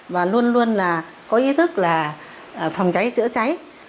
và luôn luôn là có ý thức là phòng cháy chữa cháy